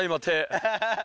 アハハハ。